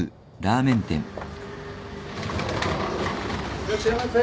いらっしゃいませ。